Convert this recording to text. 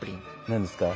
何ですか？